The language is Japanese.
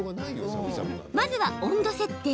まずは温度設定。